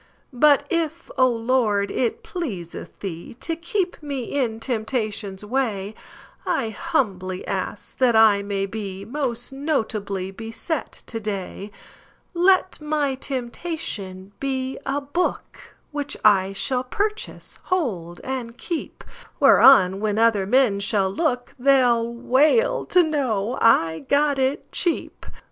But if, O Lord, it pleaseth TheeTo keep me in temptation's way,I humbly ask that I may beMost notably beset to day; Let my temptation be a book, Which I shall purchase, hold, and keep, Whereon when other men shall look, They 'll wail to know I got it cheap.